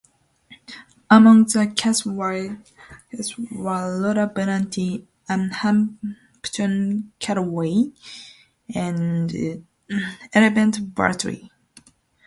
Among the cast were Laura Benanti, Ann Hampton Callaway and Everett Bradley.